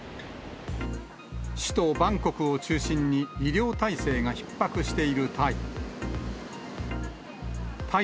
首都バンコクを中心に、医療体制がひっ迫しているタイ。